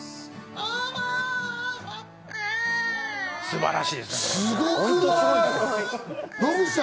素晴らしいですね。